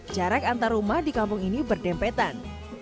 jarak antar rumah di kampung ini berdempetan